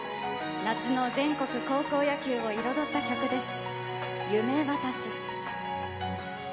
夏の全国高校野球を彩った曲です。